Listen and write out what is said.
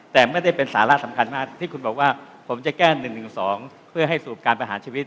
แต่ไม่ได้เป็นสาระสำคัญมากที่คุณบอกว่าผมจะแก้๑๑๒เพื่อให้สูตรการประหารชีวิต